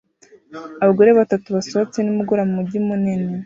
Abagore batatu basohotse nimugoroba mumujyi munini